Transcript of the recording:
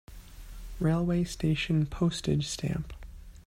Railway station Postage stamp.